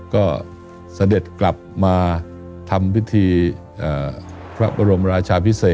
ก็เสด็จกลับมาทำพิธีพระบรมราชาพิเศษ